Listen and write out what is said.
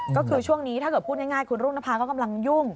ก็คือช่วงนี้ถ้าเกิดพูดง่ายคุณรุ่งนภาก็กำลังยุ่ง